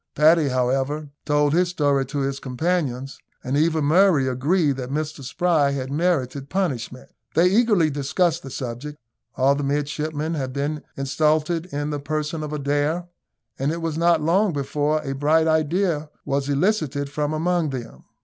Paddy, however, told his story to his companions, and even Murray agreed that Mr Spry had merited punishment. They eagerly discussed the subject all the midshipmen had been insulted in the person of Adair, and it was not long before a bright idea was elicited from among them.